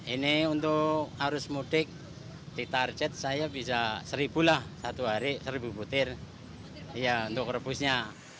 ini untuk arus mudik di target saya bisa seribu lah satu hari seribu butir untuk rebusnya